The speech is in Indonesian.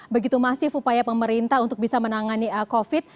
begitu masif upaya pemerintah untuk bisa menangani covid